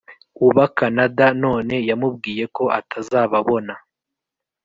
uba Canada none yamubwiye ko atazababona